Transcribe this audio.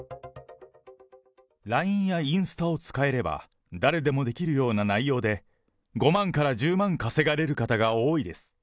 ＬＩＮＥやインスタを使えれば、誰でもできるような内容で、５万から１０万稼がれる方が多いです。